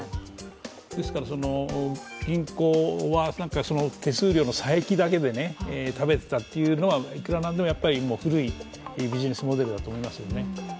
ですから、銀行は手数料の差益だけで食べていたというのは、いくらなんでも古いビジネスモデルだと思いますよね。